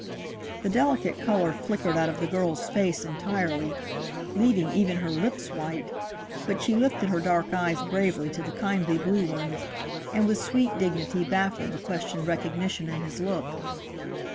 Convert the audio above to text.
The delicate color flickered out of the girl's face entirely, leaving even her lips white, but she lifted her dark eyes bravely to the kindly blue ones, and with sweet dignity baffled the questioned recognition in his look.